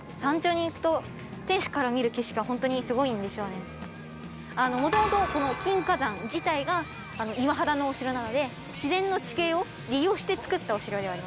じゃあもともとこの金華山自体が岩肌のお城なので自然の地形を利用して造ったお城ではあります。